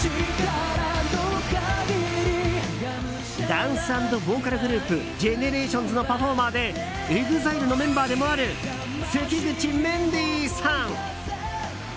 ダンス＆ボーカルグループＧＥＮＥＲＡＴＩＯＮＳのパフォーマーでＥＸＩＬＥのメンバーでもある関口メンディーさん。